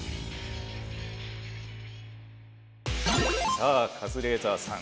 さあカズレーザーさん